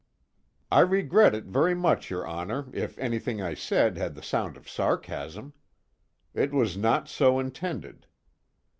"I regret it very much, your Honor, if anything I said had the sound of sarcasm. It was not so intended.